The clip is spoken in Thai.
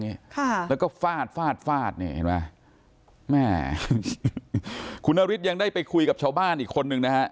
ค่ะแล้วก็ฟาดฟาดฟาดเนี่ยเห็นไหมแม่คุณนฤทธิ์ยังได้ไปคุยกับชาวบ้านอีกคนนึงนะฮะ